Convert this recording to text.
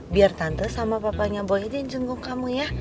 biar tante sama papanya boy aja jungkung kamu ya